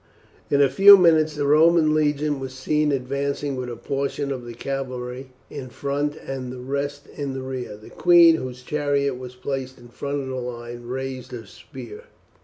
In a few minutes the Roman legion was seen advancing, with a portion of the cavalry in front and the rest in the rear. The queen, whose chariot was placed in front of the line, raised her spear.